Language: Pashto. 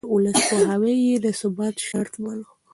د ولس پوهاوی يې د ثبات شرط باله.